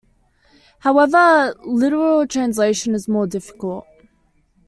However, literal translation is more difficult.